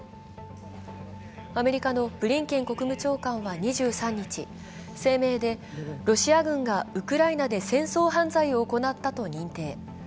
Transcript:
アメリカのブリンケン国務長官は２３日、ロシア軍がウクライナで戦争犯罪を行ったと認定。